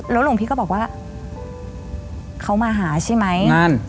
แล้วหลวงพี่ก็บอกว่าเขามาหาใช่ไหม